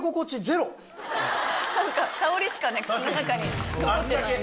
香りしか口の中に残ってない。